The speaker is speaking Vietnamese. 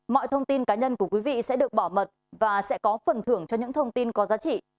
mọi thông tin cá nhân của quý vị sẽ được bảo mật và sẽ có phần thưởng cho những thông tin có giá trị